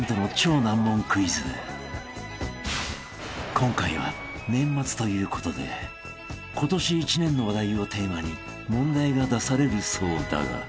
［今回は年末ということで今年一年の話題をテーマに問題が出されるそうだが］